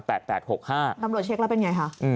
กำโหลดเช็คแล้วเป็นยังไงคะ